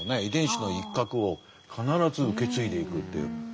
遺伝子の一角を必ず受け継いでいくという。